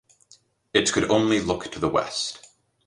It could only look to the West.